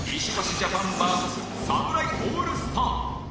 ジャパン ＶＳ 侍オールスター